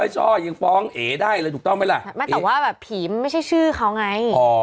ช่อยังฟ้องเอ๋ได้เลยถูกต้องไหมล่ะไม่แต่ว่าแบบผีมันไม่ใช่ชื่อเขาไง